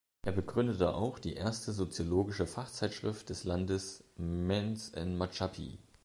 Er begründete auch die erste soziologische Fachzeitschrift des Landes, "Mens en Maatschappij".